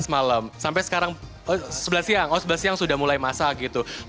sebelas malam sampai sekarang sebelas siang oh sebelas siang sudah mulai masak gitu